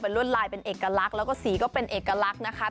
ลวดลายเป็นเอกลักษณ์แล้วก็สีก็เป็นเอกลักษณ์นะคะ